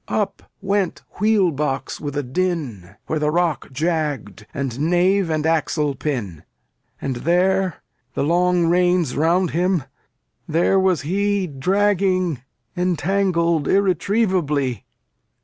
Up went wheel box with a din, Where the rock jagged, and nave and axle pin. And there the long reins round him there was he Dragging, entangled irretrievably.